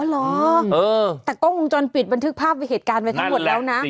เหรอแต่กล้องวงจรปิดบันทึกภาพเหตุการณ์ไว้ทั้งหมดแล้วนะ